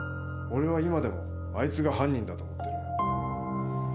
「俺は今でもあいつが犯人だと思ってる」